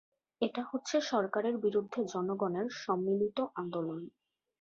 এটা হচ্ছে সরকারের বিরুদ্ধে জনগণের সম্মিলিত আন্দোলন।